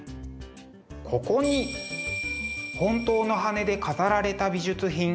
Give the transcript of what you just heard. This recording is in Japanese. ここに本当の羽で飾られた美術品。